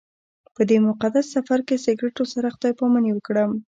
په دې مقدس سفر کې سګرټو سره خدای پاماني وکړم.